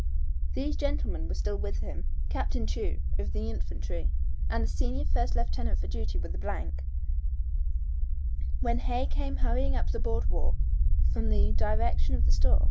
These gentlemen were still with him, Captain Chew, of the Infantry, and the senior first lieutenant for duty with the th, when Hay came hurrying up the board walk from the direction of the store.